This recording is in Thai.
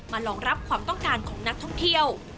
รองรับความต้องการของนักท่องเที่ยว